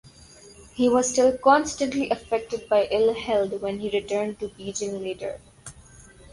He was still constantly affected by ill health when he returned to Beijing later.